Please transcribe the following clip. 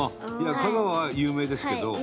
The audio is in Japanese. いや香川は有名ですけど。